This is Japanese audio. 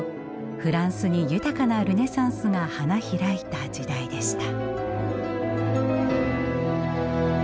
フランスに豊かなルネサンスが花開いた時代でした。